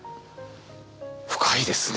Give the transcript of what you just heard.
深いですね。